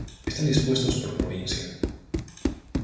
Están dispuestos por provincia.